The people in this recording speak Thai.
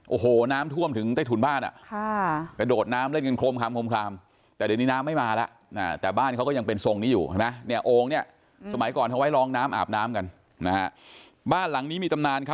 โอ้โหน้ำท่วมถึงใต้ถุนบ้าน